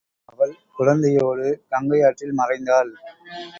அவள் குழந்தை யோடு கங்கையாற்றில் மறைந்தாள்.